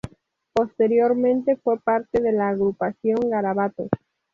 Posteriormente fue parte de la agrupación Garabato